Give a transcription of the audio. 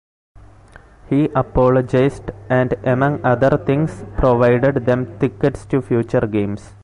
He apologized and, among other things, provided them tickets to future games.